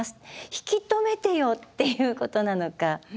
引き止めてよ！」っていうことなのか。